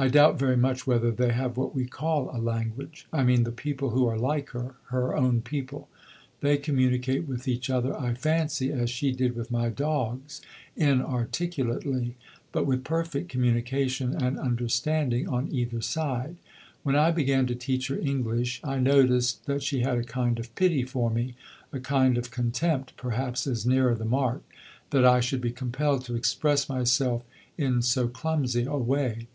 I doubt very much whether they have what we call a language I mean the people who are like her, her own people. They communicate with each other, I fancy, as she did with my dogs, inarticulately, but with perfect communication and understanding on either side. When I began to teach her English I noticed that she had a kind of pity for me, a kind of contempt perhaps is nearer the mark, that I should be compelled to express myself in so clumsy a way.